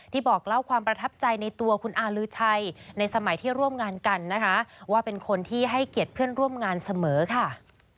บอกเล่าความประทับใจในตัวคุณอาลือชัยในสมัยที่ร่วมงานกันนะคะว่าเป็นคนที่ให้เกียรติเพื่อนร่วมงานเสมอค่ะ